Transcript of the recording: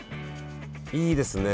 いいですね